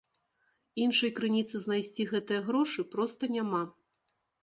Іншай крыніцы знайсці гэтыя грошы проста няма.